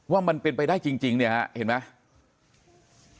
มันเป็นไปได้จริงเนี่ยฮะเห็นไหม